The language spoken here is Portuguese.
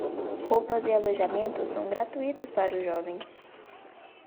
Roupas e alojamentos são gratuitos para os jovens.